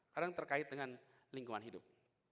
karena terkait dengan lingkungan hidup